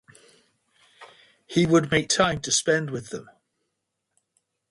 He would make time to spend with them.